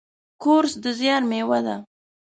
کورس د زیار میوه ده.